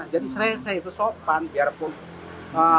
jadi serese itu sopan biarpun